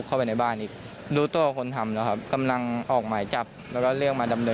เพราะจุดนี้มันเกิดอุบัติ